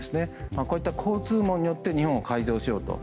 こういった交通網によって日本を改造しようと。